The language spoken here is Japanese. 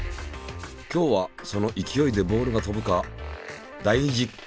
今日はその勢いでボールが飛ぶか大実験。